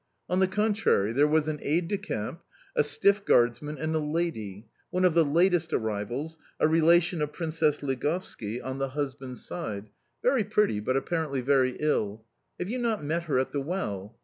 "On the contrary, there was an aide de camp, a stiff guardsman, and a lady one of the latest arrivals, a relation of Princess Ligovski on the husband's side very pretty, but apparently very ill... Have you not met her at the well?